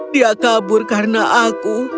dia kabur karena aku